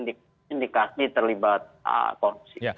dan yang punya indikasi indikasi terlibat korupsi